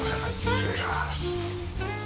失礼します。